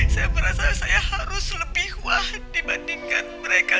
saya merasa saya harus lebih kuat dibandingkan mereka